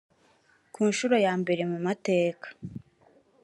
Ku nshuro ya mbere mu mateka